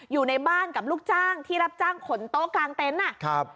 อยู่ในบ้านกับลูกจ้างที่รับจ้างขนโต๊ะกลางเต็นต์อ่ะครับ